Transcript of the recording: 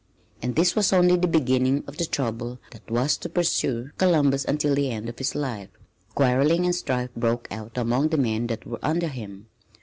And this was only the beginning of the trouble that was to pursue Columbus until the end of his life. Quarreling and strife broke out among the men that were under him.